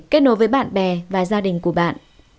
kết nối với bạn bè và gia đình của bạn